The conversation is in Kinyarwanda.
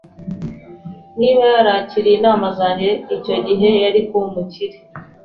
[S] Niba yarakiriye inama zanjye icyo gihe, yari kuba umukire ubu.